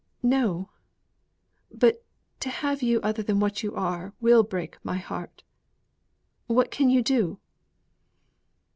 "No! but to have you other than what you are will break my heart. What can you do?"